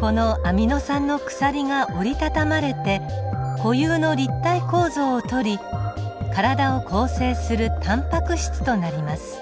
このアミノ酸の鎖が折り畳まれて固有の立体構造をとり体を構成するタンパク質となります。